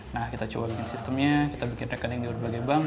nah kita coba bikin sistemnya kita bikin rekening di berbagai bank